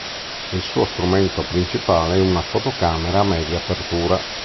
Il suo strumento principale è una fotocamera a media apertura.